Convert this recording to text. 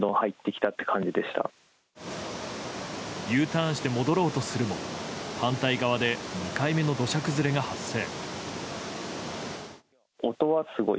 Ｕターンして戻ろうとするも反対側で２回目の土砂崩れが発生。